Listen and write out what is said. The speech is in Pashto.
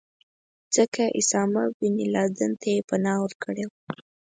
ځکه اسامه بن لادن ته یې پناه ورکړې وه.